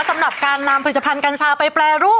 สำหรับการนำผลิตภัณฑ์กัญชาไปแปรรูป